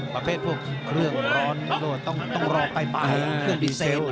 ประเภทพวกเครื่องร้อนลวดต้องรอไกลเครื่องดีเซลล่ะ